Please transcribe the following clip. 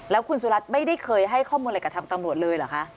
แล้วคุณสุรัตน์ไม่ได้เคยให้ข้อมูลอะไรกับทางตำรวจเลยเหรอคะ